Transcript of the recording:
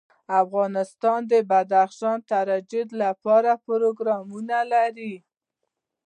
افغانستان د بدخشان د ترویج لپاره پروګرامونه لري.